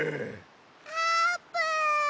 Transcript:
あーぷん。